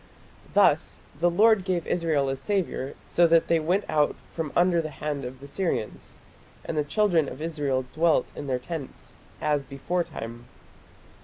Thus "the Lord gave Israel a saviour, so that they went out from under the hand of the Syrians: and the children of Israel dwelt in their tents, as beforetime".